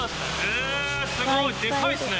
悗Аすごいでかいですね。